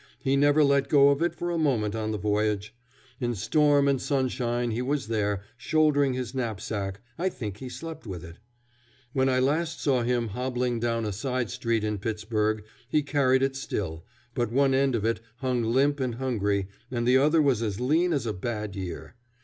He never let go of it for a moment on the voyage. In storm and sunshine he was there, shouldering his knapsack. I think he slept with it. When I last saw him hobbling down a side street in Pittsburg, he carried it still, but one end of it hung limp and hungry, and the other was as lean as a bad year.